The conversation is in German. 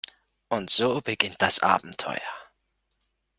Und so beginnt das Abenteuer.